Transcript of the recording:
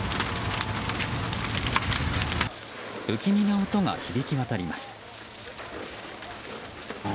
不気味な音が響き渡ります。